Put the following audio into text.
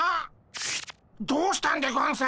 どうしたんでゴンス？